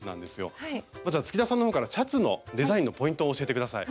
まずは月田さんの方からシャツのデザインのポイントを教えて下さい。